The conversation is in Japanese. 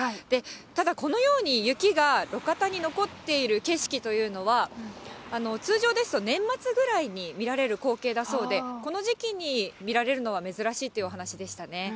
ただ、このように雪が路肩に残っている景色というのは、通常ですと、年末ぐらいに見られる光景だそうで、この時期に見られるのは珍しいというお話でしたね。